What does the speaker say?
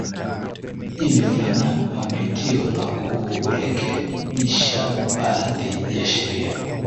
Imefanya mapitio na kurekebisha baadhii ya Sheria